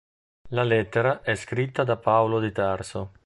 La lettera è scritta da Paolo di Tarso.